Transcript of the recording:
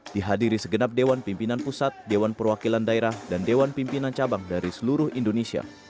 dihadiri segenap dewan pimpinan pusat dewan perwakilan daerah dan dewan pimpinan cabang dari seluruh indonesia